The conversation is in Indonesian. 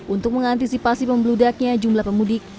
untuk mengantisipasi membludaknya jumlah pemudik